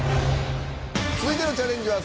続いてのチャレンジは。